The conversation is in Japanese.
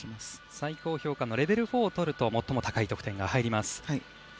最高評価のレベル４をとると最も高い得点が入ります。